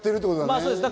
そうです。